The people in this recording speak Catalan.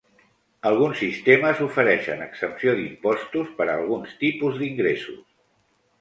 Alguns sistemes ofereixen exempció d'impostos per a alguns tipus d'ingressos.